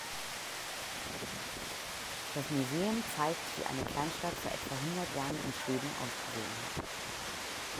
Das Museum zeigt wie eine Kleinstadt vor etwa hundert Jahren in Schweden ausgesehen hat.